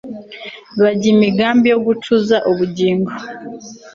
bajya imigambi yo kuncuza ubugingo